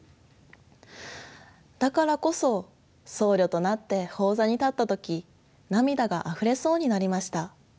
だからこそ僧侶となって法座に立った時涙があふれそうになりました。